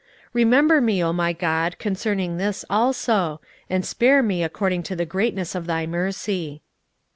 Remember me, O my God, concerning this also, and spare me according to the greatness of thy mercy.